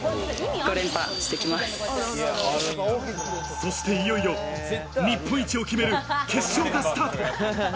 そして、いよいよ日本一を決める決勝がスタート。